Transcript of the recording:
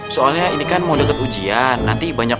soalnya ini kan mau deket ujian nanti banyak